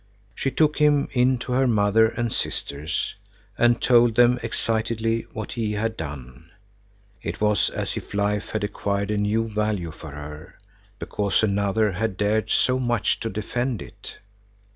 She took him in to her mother and sisters, and told them excitedly what he had done. It was as if life had acquired a new value for her, because another had dared so much to defend it.